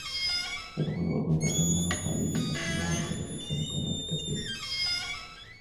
فَادْخُلُوا أَبْوَابَ جَهَنَّمَ خَالِدِينَ فِيهَا فَلَبِئْسَ مَثْوَى الْمُتَكَبِّرِينَ